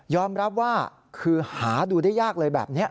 รับว่าคือหาดูได้ยากเลยแบบนี้